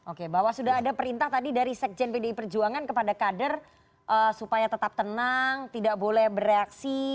oke bahwa sudah ada perintah tadi dari sekjen pdi perjuangan kepada kader supaya tetap tenang tidak boleh bereaksi